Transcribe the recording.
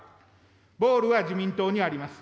ボールは自民党にあります。